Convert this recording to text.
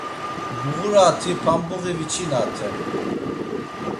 Bğurati pambuği viçinaten.